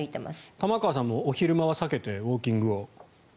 玉川さんもお昼間は避けてウォーキングを。